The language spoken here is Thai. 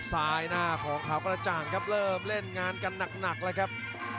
ซ้ายหน้าของขาวกระจ่างครับเริ่มเล่นงานกันหนักแล้วครับ